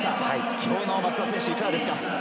きょうの松田選手、いかがですか？